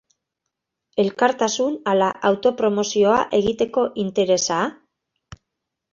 Elkartasuna ala auto-promozioa egiteko interesa?